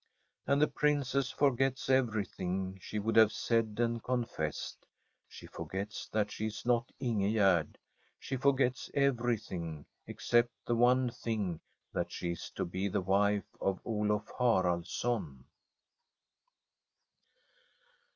And the Princess forgets everything she would have said and confessed. She forgets that she is not Ingegerd, she forgets everything except the one thing, that she is to be the wife of Olaf Haralds son.